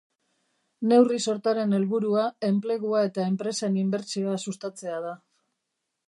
Neurri-sortaren helburua enplegua eta enpresen inbertsioa sustatzea da.